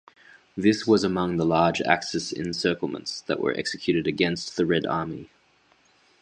This was among the large Axis encirclements that were executed against the Red Army.